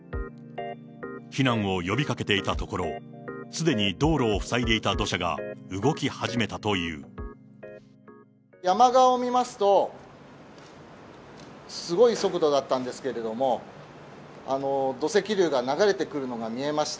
避難を呼びかけていたところ、すでに道路を塞いでいた土砂が、山側を見ますと、すごい速度だったんですけれども、土石流が流れてくるのが見えました。